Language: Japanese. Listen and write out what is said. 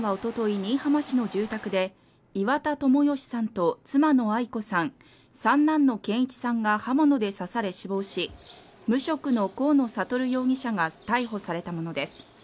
新居浜市の住宅で岩田友義さんと妻のアイ子さん三男の健一さんが刃物で刺され死亡し無職の河野智容疑者が逮捕されたものです